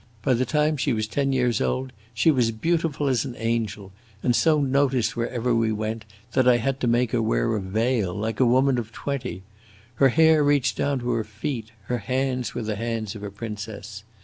By the time she was ten years old she was beautiful as an angel, and so noticed wherever we went that I had to make her wear a veil, like a woman of twenty. Her hair reached down to her feet; her hands were the hands of a princess.